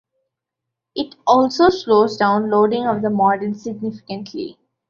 It also slows down loading of the module significantly.